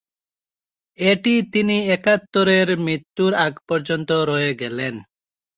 এটি তিনি একাত্তরের মৃত্যুর আগ পর্যন্ত রয়ে গেলেন।